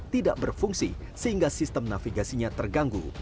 tidak berfungsi sehingga sistem navigasinya terganggu